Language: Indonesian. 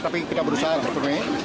tapi kita berusaha untuk menuhi